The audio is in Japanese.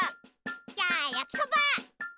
じゃあやきそば！